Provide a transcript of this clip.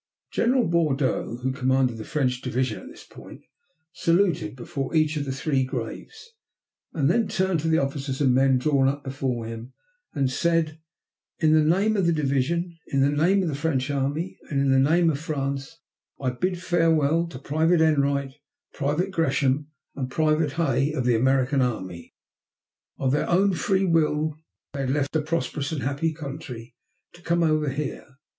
General Bordeaux, who commanded the French division at this point, saluted before each of the three graves, and then turned to the officers and men drawn up before him and said: "In the name of the division, in the name of the French Army, and in the name of France, I bid farewell to Private Enright, Private Gresham, and Private Hay of the American Army. "Of their own free will they had left a prosperous and happy country to come over here.